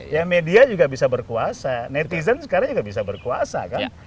ya media juga bisa berkuasa netizen sekarang juga bisa berkuasa kan